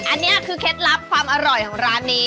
อันนี้คือเคล็ดลับความอร่อยของร้านนี้